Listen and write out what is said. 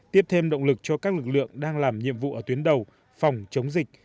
tiếp thêm động lực cho các lực lượng đang làm nhiệm vụ ở tuyến đầu phòng chống dịch